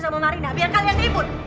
sama marina biar kalian ribut